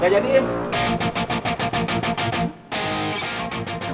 gak jadi in